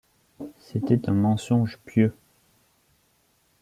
C’était un mensonge pieux.